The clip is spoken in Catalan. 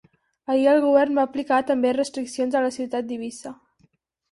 Ahir el govern va aplicar també restriccions a la ciutat d’Eivissa.